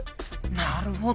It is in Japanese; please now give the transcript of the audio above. なるほど。